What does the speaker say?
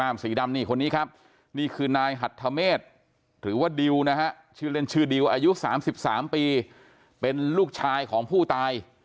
อายุ๓๓ปีเป็นลูกชายของผู้ตาย